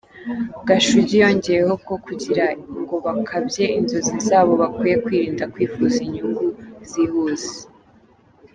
Gashugi yongeyeho ko kugira ngo bakabye inzozi zabo bakwiye kwirinda kwifuza inyungu zihuse.